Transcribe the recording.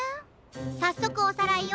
さっそくおさらいよ。